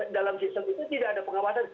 dalam sistem itu tidak ada pengawasan